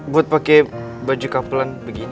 buat pakai baju kapelan begini